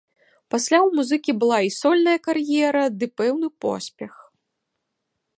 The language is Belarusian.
Пасля ў музыкі была і сольная кар'ера ды пэўны поспех.